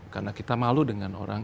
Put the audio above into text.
karena kita malu dengan orang